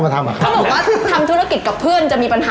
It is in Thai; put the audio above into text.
พี่แกตอบว่าผมเริ่ม